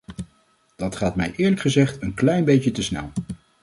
Dat gaat mij eerlijk gezegd een klein beetje te snel.